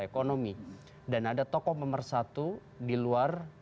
ekonomi dan ada tokoh pemersatu di luar